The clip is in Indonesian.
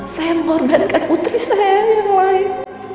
saya mengorbankan putri saya yang lain